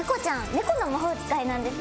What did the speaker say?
猫の魔法使いなんです。